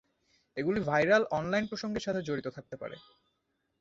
এগুলি viral online প্রসঙ্গের সাথে জড়িত থাকতে পারে।